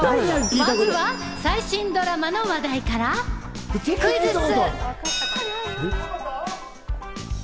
まずは最新ドラマの話題からクイズッス！